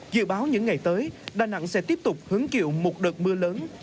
dự báo những ngày tới đà nẵng sẽ tiếp tục hướng kiệu một đợt mưa lớn